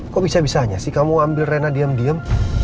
kok bisa bisanya sih kamu ambil reina diem diem